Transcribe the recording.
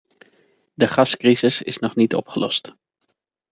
De gascrisis is nog niet opgelost.